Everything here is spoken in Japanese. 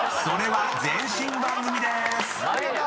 ［それは前身番組でーす！